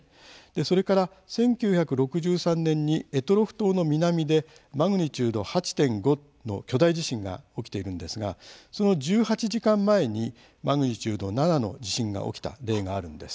それから、１９６３年に択捉島の南でマグニチュード８．５の巨大地震が起きているんですがその１８時間前にマグニチュード７の地震が起きた例があるんです。